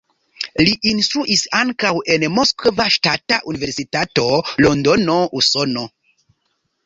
Li instruis ankaŭ en Moskva Ŝtata Universitato, Londono, Usono.